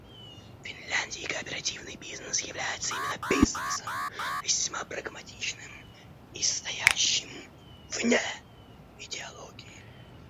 В Финляндии кооперативный бизнес является именно бизнесом — весьма прагматичным и стоящим вне идеологии.